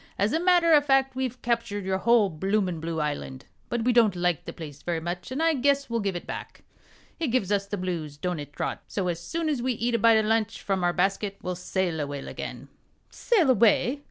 As a matter o' fact, we've captured your whole bloomin' blue island, but we don't like the place very much, and I guess we'll give it back. It gives us the blues don't it, Trot? so as soon as we eat a bite o' lunch from our basket we'll sail away again." "Sail away?